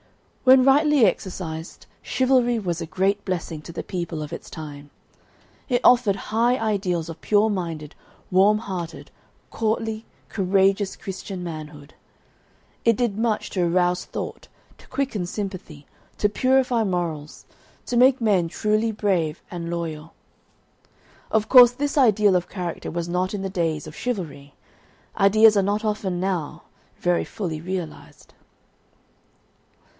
When rightly exercised chivalry was a great blessing to the people of its time. It offered high ideals of pure minded, warm hearted, courtly, courageous Christian manhood. It did much to arouse thought, to quicken sympathy, to purify morals, to make men truly brave and loyal. Of course this ideal of character was not in the days of chivalry ideals are not often now very fully realised.